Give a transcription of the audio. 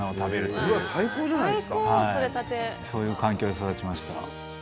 そういう環境で育ちました。